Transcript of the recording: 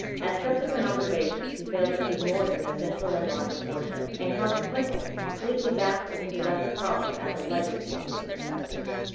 At subsequent observations he failed to see more than the central and larger portion, and, consequently, completely baffled, he left the problem as a legacy to his successors.